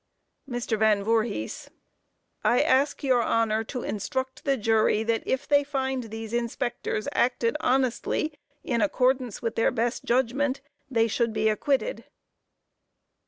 MR. VAN VOORHIS: I ask your Honor to instruct the jury that if they find these inspectors acted honestly, in accordance with their best judgment, they should be acquitted.